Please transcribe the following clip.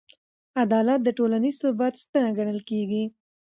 عدالت د ټولنیز ثبات ستنه ګڼل کېږي.